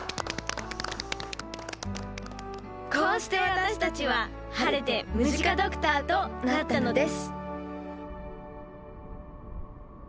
こうして私たちは晴れてムジカドクターとなったのです